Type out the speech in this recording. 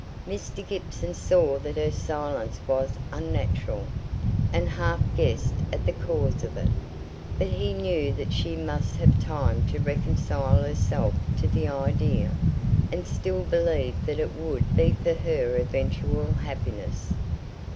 Mr. Gibson saw that her silence was unnatural, and half guessed at the cause of it. But he knew that she must have time to reconcile herself to the idea, and still believed that it would be for her eventual happiness.